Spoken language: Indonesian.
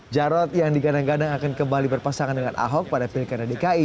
jarod yang digadang gadang akan kembali berpasangan dengan ahok pada pilkada dki